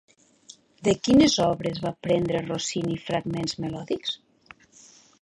De quines obres va prendre Rossini fragments melòdics?